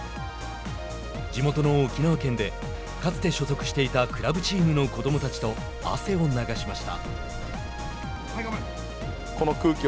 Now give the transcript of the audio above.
地元の沖縄県でかつて所属していたクラブチームの子どもたちと汗を流しました。